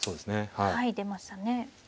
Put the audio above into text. はい出ましたね。